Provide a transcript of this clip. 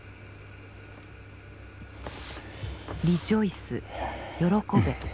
「リジョイス喜べ」。